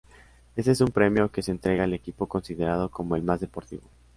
Este es un premio que se entrega al equipo considerado como el "más deportivo".